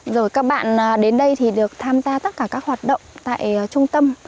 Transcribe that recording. rồi các bạn đến đây thì được tham gia tất cả các hoạt động tại trung tâm